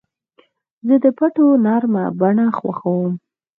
زه د پټیو نرمه بڼه خوښوم.